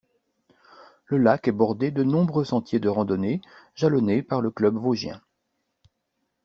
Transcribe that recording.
Le lac est bordé de nombreux sentiers de randonnée jalonnés par le Club vosgien.